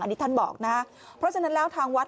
อันนี้ท่านบอกนะเพราะฉะนั้นแล้วทางวัด